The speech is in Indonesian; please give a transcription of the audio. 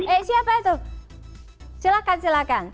eh siapa itu silahkan silahkan